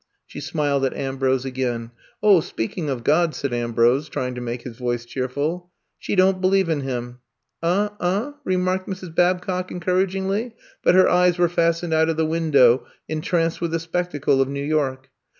She smiled at Am brose again. 0h, speaking of God," said Ambrose, trying to make his voice cheerful, *^she don't believe in Him." *^Uh, Uh?" remarked Mrs. Babcock en couragingly, but her eyes were fastened out of the window entranced with the spectacle of New York.